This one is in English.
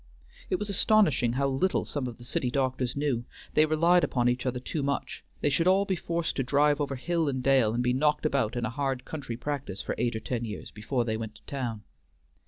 It was astonishing how little some of the city doctors knew: they relied upon each other too much; they should all be forced to drive over hill and dale, and be knocked about in a hard country practice for eight or ten years before they went to town.